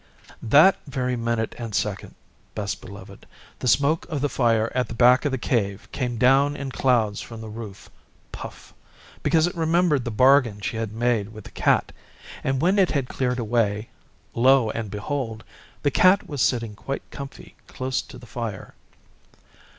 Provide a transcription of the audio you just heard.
That very minute and second, Best Beloved, the smoke of the fire at the back of the Cave came down in clouds from the roof puff! because it remembered the bargain she had made with the Cat, and when it had cleared away lo and behold! the Cat was sitting quite comfy close to the fire.